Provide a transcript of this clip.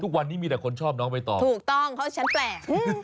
ทุกวันนี้มีแต่คนชอบน้องใบตองถูกต้องเพราะฉันแปลก